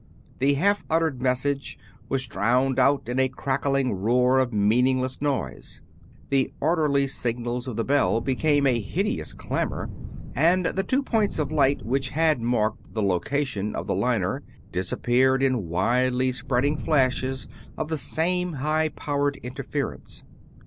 The half uttered message was drowned out in a crackling roar of meaningless noise, the orderly signals of the bell became a hideous clamor, and the two points of light which had marked the location of the liner disappeared in widely spreading flashes of the same high powered interference.